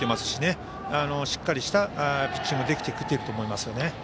しっかりしたピッチングができていると思いますね。